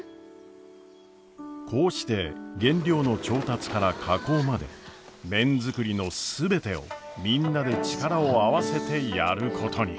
こうして原料の調達から加工まで麺作りの全てをみんなで力を合わせてやることに。